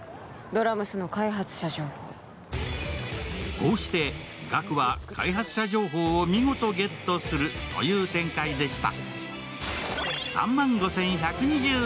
こうしてガクは、開発者情報を見事ゲットするという展開でした。